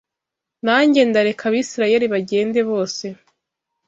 nanjye ndareka Abisirayeli bagende bose